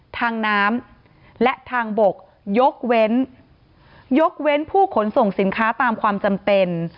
ทางน้ำและทางบกยกเว้นยกเว้นผู้ขนส่งสินค้าตามความจำเป็น